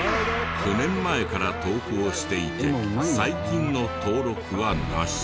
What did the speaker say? ５年前から投稿していて最近の登録はなし。